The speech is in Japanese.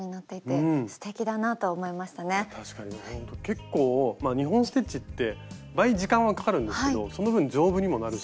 結構２本ステッチって倍時間はかかるんですけどその分丈夫にもなるし。